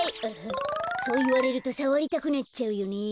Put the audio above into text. そういわれるとさわりたくなっちゃうよね。